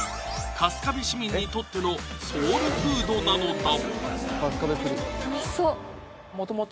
春日部市民にとってのソウルフードなのだもともと